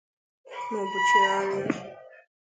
maọbụ chegharịa